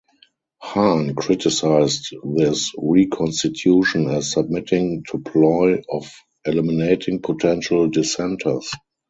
Hahn criticized this reconstitution as submitting to ploy of eliminating potential dissenters.